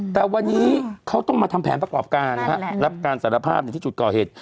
แต่วันนี้เขาต้องมาทำแผนประกอบการรับการสารภาพที่จุดก่อเหตุ